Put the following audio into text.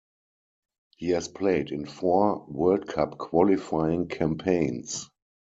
He has played in four World Cup qualifying campaigns.